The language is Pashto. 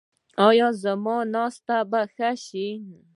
ایا زما ناسته به ښه شي؟